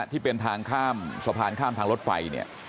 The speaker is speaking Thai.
ที่เป็นทางข้ามสะพานข้ามทางรถไฟเนี่ย